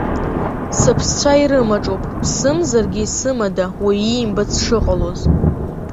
Сыԥсцәа ирымаҿуп, ԥсымзаргьы исымада, уаҩ иимбац шыҟалоз!